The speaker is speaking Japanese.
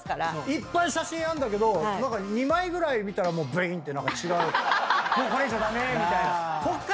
いっぱい写真あんだけど２枚ぐらい見たらブインって何か違うこれ以上駄目みたいな。